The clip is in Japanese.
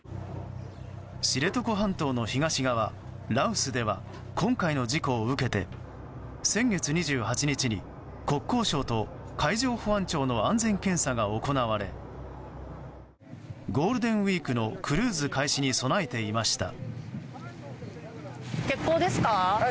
知床半島の東側、羅臼では今回の事故を受けて先月２８日に国交省と海上保安庁の安全検査が行われゴールデンウィークのクルーズ開始に備えていました。